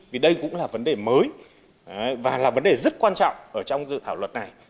vì đây cũng là vấn đề mới và là vấn đề rất quan trọng ở trong dự thảo luật này